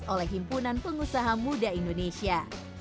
oleh himpunan pengusaha muda indonesia